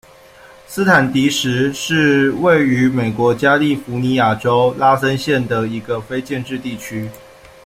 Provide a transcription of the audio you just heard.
斯坦迪什是位于美国加利福尼亚州拉森县的一个非建制地区。